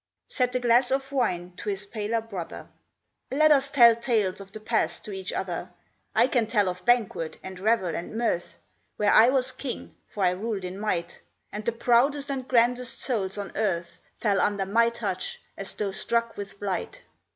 Said the glass of wine to his paler brother: "Let us tell tales of the past to each other. I can tell of banquet, and revel, and mirth, Where I was king, for I ruled in might; And the proudest and grandest souls on earth Fell under my touch, as though struck with blight.